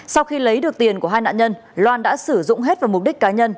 sau khi lấy được tiền của hai nạn nhân loan đã sử dụng hết vào mục đích cá nhân